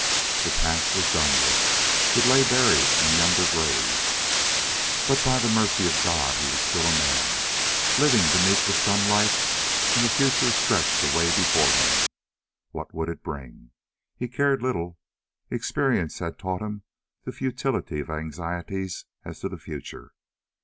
The past was done with, it lay buried in yonder grave, but by the mercy of God he was still a man, living beneath the sunlight, and the future stretched away before him. What would it bring? He cared little; experience had taught him the futility of anxieties as to the future.